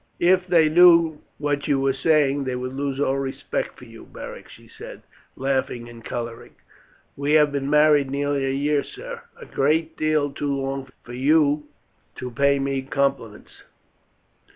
"If they knew what you were saying they would lose all respect for you, Beric," she said laughing and colouring. "We have been married nearly a year, sir a great deal too long for you to pay me compliments."